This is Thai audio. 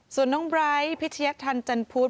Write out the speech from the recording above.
ส่วนน้องบรายพิธียักษ์ทันจันพูด